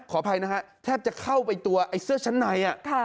ขออภัยนะฮะแทบจะเข้าไปตัวไอ้เสื้อชั้นใน